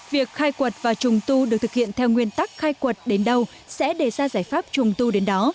việc khai quật và trùng tu được thực hiện theo nguyên tắc khai quật đến đâu sẽ đề ra giải pháp trùng tu đến đó